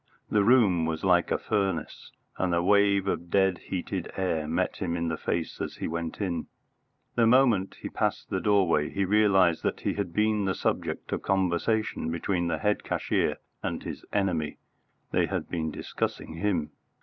The room was like a furnace, and a wave of dead heated air met him in the face as he went in. The moment he passed the doorway he realised that he had been the subject of conversation between the head cashier and his enemy. They had been discussing him.